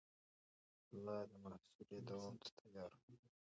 هغه د محاصرې دوام ته تيار و.